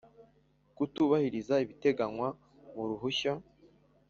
kutubahiriza ibiteganywa mu ruhushya,